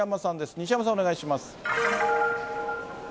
西山さん、お願いします。